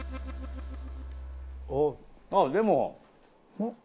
ああでも。